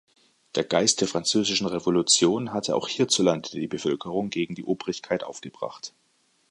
Der Geist der Französischen Revolution hatte auch hierzulande die Bevölkerung gegen die Obrigkeit aufgebracht.